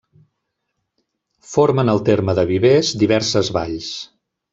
Formen el terme de Vivers diverses valls.